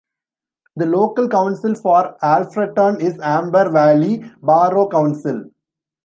The local council for Alfreton is Amber Valley Borough Council.